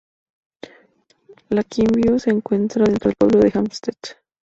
Lakeview se encuentra dentro del pueblo de Hempstead.